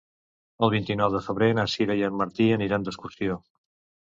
El vint-i-nou de febrer na Sira i en Martí aniran d'excursió.